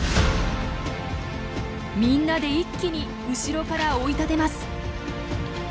みんなで一気に後ろから追い立てます。